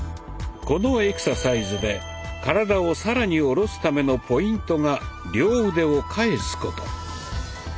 このエクササイズで体を更に下ろすためのポイントが両腕を返すこと。